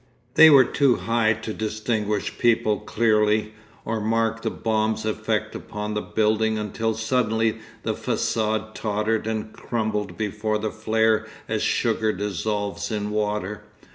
They were too high to distinguish people clearly, or mark the bomb's effect upon the building until suddenly the facade tottered and crumbled before the flare as sugar dissolves in water.